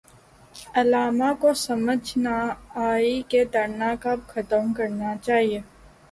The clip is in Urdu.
علامہ کو سمجھ نہ آئی کہ دھرنا کب ختم کرنا چاہیے۔